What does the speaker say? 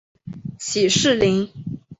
起士林。